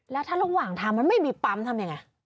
แล้วถ้าระหว่างทางมันไม่มีปั๊มทำยังไง